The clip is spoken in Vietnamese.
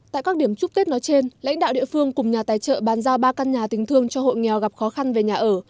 tại các điểm chúc tết nói trên lãnh đạo địa phương cùng nhà tài trợ bàn giao ba căn nhà tình thương cho hộ nghèo gặp khó khăn về nhà ở